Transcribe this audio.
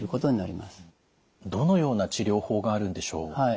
どのような治療法があるんでしょう？